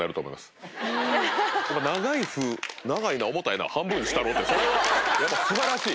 「長い麩長いな重たいな半分したろ」ってそれはやっぱ素晴らしい！